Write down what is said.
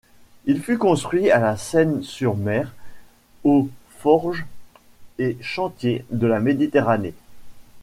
Il fut construit à La Seyne-sur-Mer aux Forges et Chantiers de la Méditerranée.